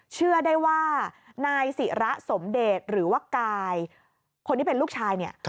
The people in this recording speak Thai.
เชื่อได้ว่านายศิระสมเดชหรือว่ากายคนที่เป็นลูกชายเนี่ย